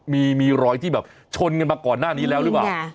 มีรอยที่แบบชนกันมาก่อนหน้านี้แล้วหรือเปล่า